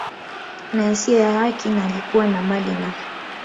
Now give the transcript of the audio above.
na yasiyo ya haki na alikuwa na mali na